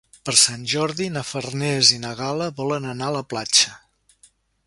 Per Sant Jordi na Farners i na Gal·la volen anar a la platja.